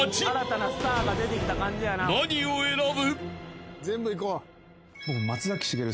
［何を選ぶ？］